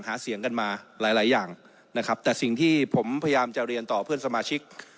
หาเสียงกันมาหลายหลายอย่างนะครับแต่สิ่งที่ผมพยายามจะเรียนต่อเพื่อนสมาชิก